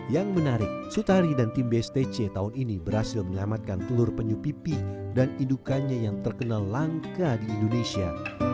yang menarik sutari dan tim bstc tahun ini berhasil menyelamatkan telur penyu pipih dan indukannya yang terkenal langka di indonesia